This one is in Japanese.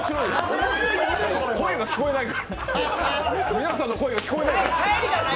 皆さんの声が聞こえない。